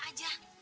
nah fatima ikutnya